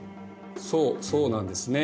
そうそうなんですね。